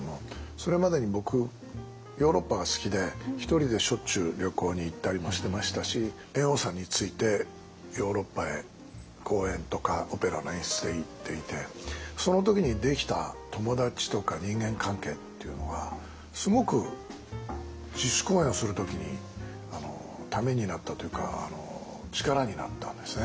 それまでに僕ヨーロッパが好きで一人でしょっちゅう旅行に行ったりもしてましたし猿翁さんについてヨーロッパへ公演とかオペラの演出で行っていてその時にできた友達とか人間関係っていうのはすごく自主公演をする時にためになったというか力になったんですね。